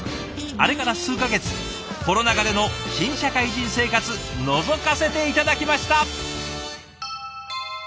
あれから数か月コロナ禍での新社会人生活のぞかせて頂きました。